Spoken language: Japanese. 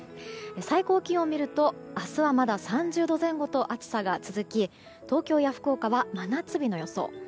最高気温を見ると明日はまだ３０度前後と暑さが続き東京や福岡は真夏日の予想。